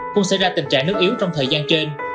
cũng xảy ra tình trạng nước yếu trong thời gian trên